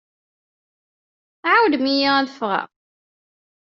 Ɛawnem-iyi ad ffɣeɣ.